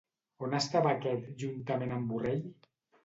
On estava aquest juntament amb Borrell?